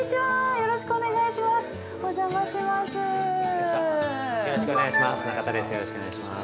よろしくお願いします。